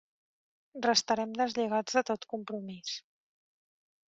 Restarem deslligats de tot compromís.